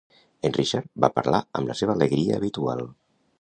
En Richard va parlar amb la seva alegria habitual.